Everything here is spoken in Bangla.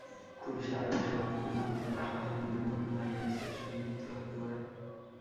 পুলিশের দাবি, শরফুল হিযবুতের পাশাপাশি জঙ্গি সংগঠন আইএসের সঙ্গে যুক্ত থাকতে পারে।